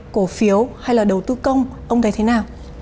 cổ phiếu hay là đầu tư công ông thấy thế nào